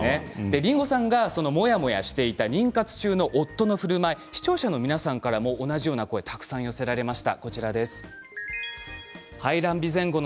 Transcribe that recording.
りんごさんがモヤモヤしていた妊活中の夫のふるまい視聴者の方からも同じような声が寄せられました。